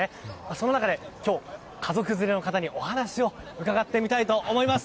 その中で今日、家族連れの方にお話を伺ってみたいと思います。